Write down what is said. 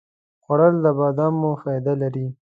خوړل د بادامو فایده لري